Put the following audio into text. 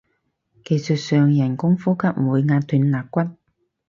技術上人工呼吸唔會壓斷肋骨